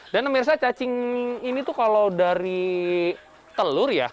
dan menurut saya cacing ini kalau dari telur ya